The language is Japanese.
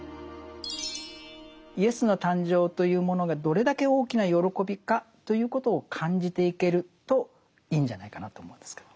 イエスの誕生というものがどれだけ大きな喜びかということを感じていけるといいんじゃないかなと思うんですけど。